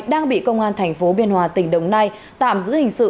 đang bị công an tp biên hòa tỉnh đồng nai tạm giữ hình sự